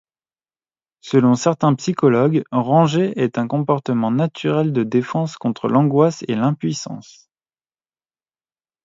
Selon certains psychologues, ranger est un comportement naturel de défense contre l'angoisse et l'impuissance.